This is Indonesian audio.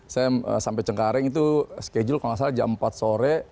saya sampai cengkareng itu schedule kalau nggak salah jam empat sore